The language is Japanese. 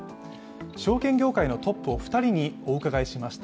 証券業界のトップ２人にお伺いしました。